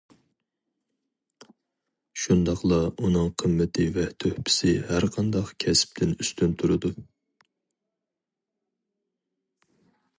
شۇنداقلا ئۇنىڭ قىممىتى ۋە تۆھپىسى ھەرقانداق كەسىپتىن ئۈستۈن تۇرىدۇ.